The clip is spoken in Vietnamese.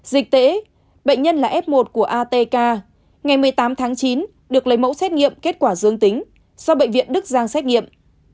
dịch tễ bệnh nhân là f một của atk ngày một mươi tám tháng chín được lấy mẫu xét nghiệm kết quả dương tính do bệnh viện đức giang xét nghiệm